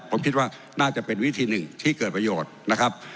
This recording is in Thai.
ผมคิดว่าน่าจะเป็นวิธีหนึ่งที่เกิดประโยชน์นะครับ